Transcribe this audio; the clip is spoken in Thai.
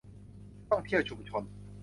ท่องเที่ยวชุมชน